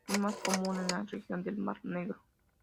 Es más común en la Región del Mar Negro.